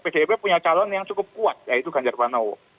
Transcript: pdip punya calon yang cukup kuat yaitu ganjar pranowo